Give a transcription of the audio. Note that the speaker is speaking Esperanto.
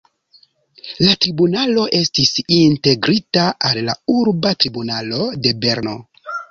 La tribunalo estis integrita al la urba tribunalo de Berno.